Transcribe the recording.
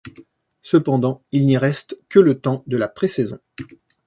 Cependant, il n'y reste que le temps de la pré-saison.